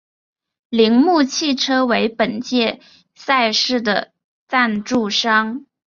铃木汽车为本届赛事的赞助商。